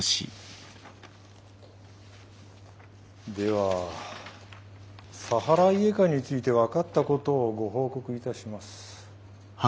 ではサハライエカについて分かったことをご報告いたします。